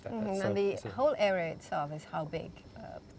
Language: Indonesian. dan seluruh area ini berapa besar